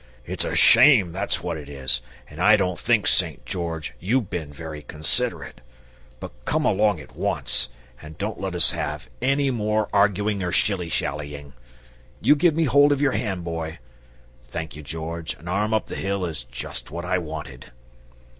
It's a shame, that's what it is, and I don't think, St. George, you've been very considerate but come along at once, and don't let us have any more arguing or shilly shallying. You give me hold of your hand, Boy thank you, George, an arm up the hill is just what I wanted!"